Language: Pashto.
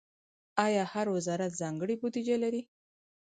آیا هر وزارت ځانګړې بودیجه لري؟